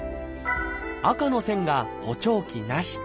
赤の線が補聴器なし